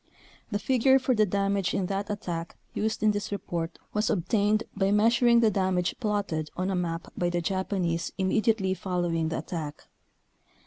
The figure for the dam age in that attack used in this report was obtained by measuring the damage plotted on a map by the Japanese immediately following the attack.